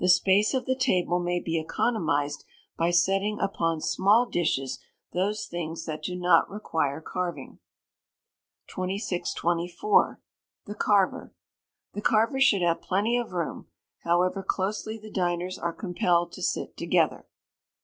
The space of the table may be economised by setting upon small dishes those things that do not require carving. 2624. The Carver. The carver should have plenty of room, however closely the diners are compelled to sit together.